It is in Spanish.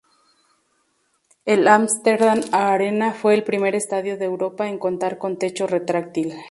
El Amsterdam Arena fue el primer estadio de Europa en contar con techo retráctil.